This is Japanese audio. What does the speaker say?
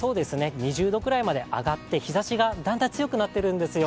２０度くらいまで上がって日ざしがだんだん強くなってるんですよ。